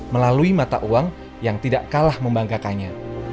melalui mata uang yang tidak kalah membanggakannya